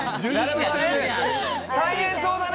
「大変そうだね」